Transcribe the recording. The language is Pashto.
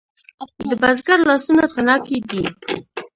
د بزګر لاسونه تڼاکې دي؟